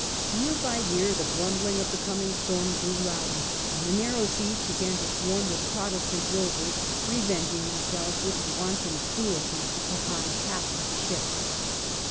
Year by year the grumbling of the coming storm grew louder, and the narrow seas began to swarm with Protestant rovers revenging themselves with wanton cruelty upon Catholic ships.